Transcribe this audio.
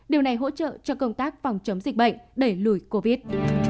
điều này hỗ trợ cho công tác phòng chống dịch bệnh đẩy lùi covid